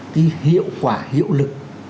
cái hiệu quả hiệu lực